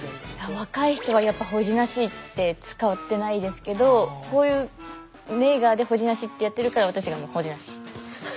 若い人はやっぱ「ほじなし」って使ってないですけどこういうネイガーで「ほじなし」ってやってるから私らも「ほじなし」。